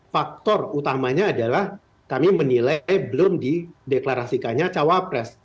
faktor utamanya adalah kami menilai belum di deklarasikannya cawapres